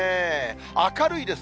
明るいです。